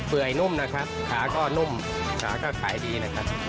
ื่อยนุ่มนะครับขาก็นุ่มขาก็ขายดีนะครับ